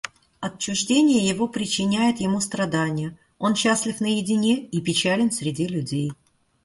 Отчуждение его причиняет ему страдания, он счастлив наедине и печален среди людей.